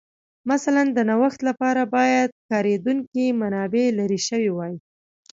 مثلاً د نوښت لپاره باید کارېدونکې منابع لرې شوې وای